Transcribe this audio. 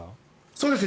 そうですね。